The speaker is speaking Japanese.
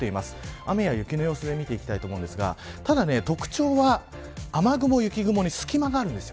雨や雪の様子を見ていきたいと思いますがただ、特徴は雨雲、雪雲に隙間があるんです。